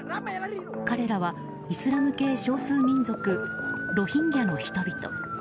彼らはイスラム系少数民族ロヒンギャの人々。